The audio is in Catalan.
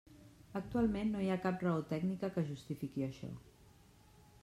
Actualment no hi ha cap raó tècnica que justifiqui això.